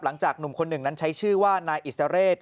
หนุ่มคนหนึ่งนั้นใช้ชื่อว่านายอิสระเรศ